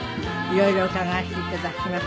色々伺わせて頂きます。